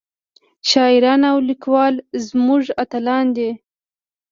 شاعران او ليکوال زمونږ اتلان دي